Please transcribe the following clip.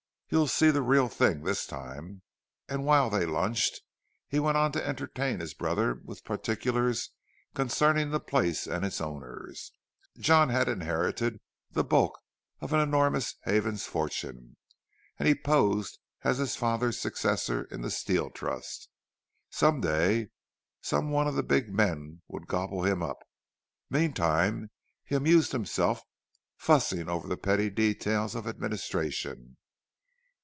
"You'll see the real thing this time." And while they lunched, he went on to entertain his brother with particulars concerning the place and its owners. John had inherited the bulk of the enormous Havens fortune, and he posed as his father's successor in the Steel Trust. Some day some one of the big men would gobble him up; meantime he amused himself fussing over the petty details of administration.